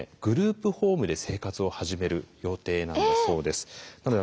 グループホームで生活を始める予定なんだそうです。